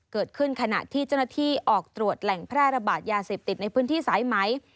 ขณะที่เจ้าหน้าที่ออกตรวจแหล่งแพร่ระบาดยาเสพติดในพื้นที่สายไหม